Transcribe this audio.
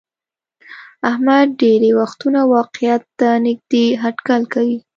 احمد ډېری وختونه واقعیت ته نیږدې هټکل کوي.